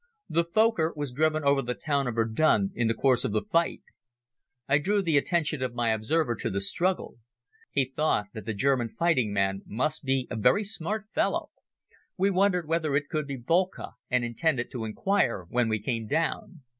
The Fokker was driven over the town of Verdun in the course of the fight. I drew the attention of my observer to the struggle. He thought that the German fighting man must be a very smart fellow. We wondered whether it could be Boelcke and intended to inquire when we came down.